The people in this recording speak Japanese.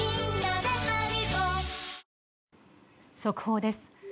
速報です。